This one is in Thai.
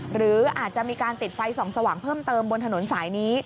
หรืออาจจะมีการติดไฟส่องสว่างเพิ่มเติมบนถนนสายนี้